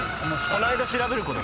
この間調べること？